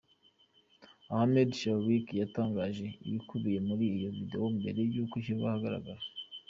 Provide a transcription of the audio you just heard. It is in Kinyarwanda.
Ahmad Salkida yatangaje ibikubiye muri iyo video mbere yuko ishyirwa ahagaragara.